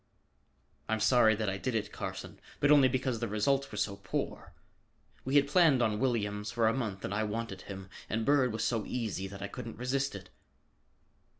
"I'm sorry that I did it, Carson, but only because the results were so poor. We had planned on Williams for a month and I wanted him. And Bird was so easy that I couldn't resist it."